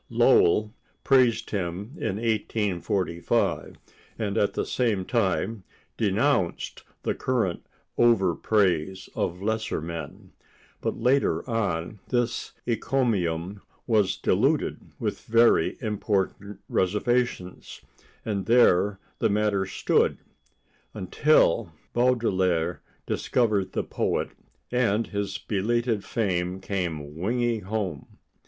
Lowell praised him in 1845 and at the same time denounced the current over praise of lesser men, but later on this encomium was diluted with very important reservations, and there the matter stood until Baudelaire discovered the poet and his belated fame came winging home.